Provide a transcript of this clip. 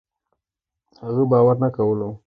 هغه باور نه کولو